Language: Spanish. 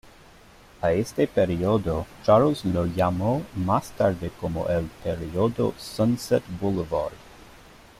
A este período, Charles lo llamó más tarde como el "periodo Sunset Boulevard".